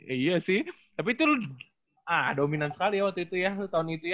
iya sih tapi itu lu ah dominan sekali ya waktu itu ya lu tahun itu ya